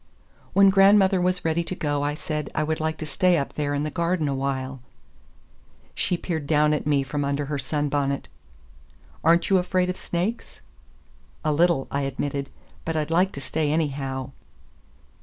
When grandmother was ready to go, I said I would like to stay up there in the garden awhile. She peered down at me from under her sunbonnet. "Are n't you afraid of snakes?" "A little," I admitted, "but I'd like to stay anyhow."